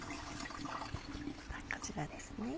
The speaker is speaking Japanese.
こちらですね。